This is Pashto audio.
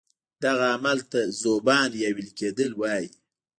دغه عمل ته ذوبان یا ویلي کیدل وایي.